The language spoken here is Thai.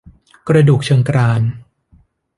กระดูกเชิงกราน